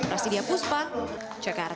rasidia puspa cakak